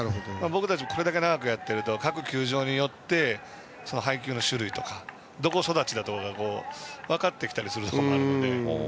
これだけ野球をやっていると各球場によって、配球の種類とかどこ育ちだとか分かってきたりするので。